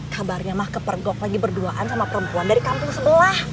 kabarnya mah kepergok lagi berduaan sama perempuan dari kampung sebelah